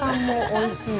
おいしい。